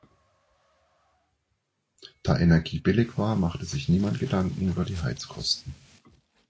Da Energie billig war, machte sich niemand Gedanken über die Heizkosten.